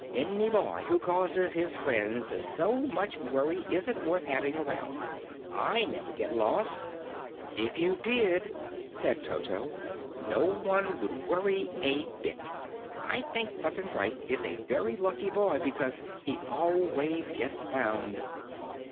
Any boy who causes his friends so much worry isn't worth having around. I never get lost." "If you did," said Toto, "no one would worry a bit. I think Button Bright is a very lucky boy because he always gets found."